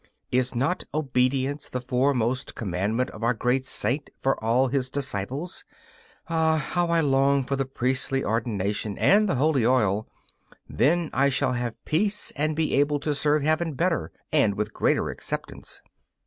Is not obedience the foremost commandment of our great saint for all his disciples? Ah, how I long for the priestly ordination and the holy oil! Then I shall have peace and be able to serve Heaven better and with greater acceptance.